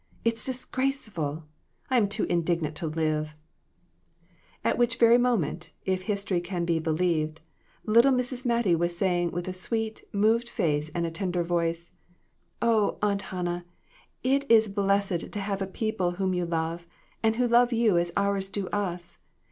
It's disgraceful ! I'm too indignant to live !" At which very moment, if history can be believed, little Mrs. Mattie was saying, with a sweet, moved face and tender voice "Oh, Aunt Hannah, it is blessed to have a people whom you love, and who love you as ours do us.